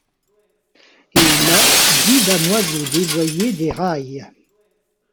Et là dix damoiseaux dévoyés déraillent.